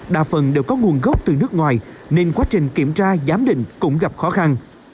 đa phần đều có nguồn gốc từ nước ngoài nên quá trình kiểm tra giám định cũng gặp khó khăn